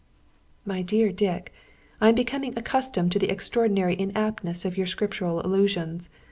"My dear Dick, I am becoming accustomed to the extraordinary inaptness of your scriptural allusions.